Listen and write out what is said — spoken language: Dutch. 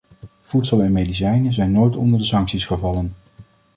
Voedsel en medicijnen zijn nooit onder de sancties gevallen.